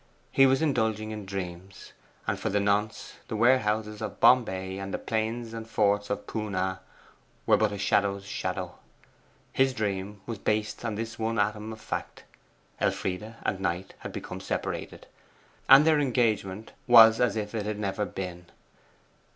He was indulging in dreams, and for the nonce the warehouses of Bombay and the plains and forts of Poonah were but a shadow's shadow. His dream was based on this one atom of fact: Elfride and Knight had become separated, and their engagement was as if it had never been.